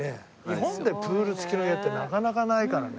日本でプール付きの家ってなかなかないからね。